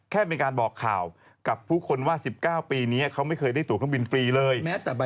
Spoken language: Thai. มีการบอกข่าวกับผู้คนว่า๑๙ปีนี้เขาไม่เคยได้ตัวเครื่องบินฟรีเลย